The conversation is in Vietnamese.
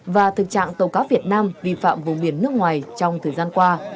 và thực trạng tàu cá việt nam vi phạm vùng biển nước ngoài trong thời gian qua